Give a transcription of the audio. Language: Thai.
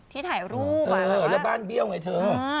ที่ถ่ายรูปแล้วบ้านเบี้ยวไงเธอ